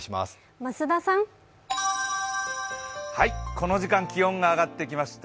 この時間気温が上がってきました。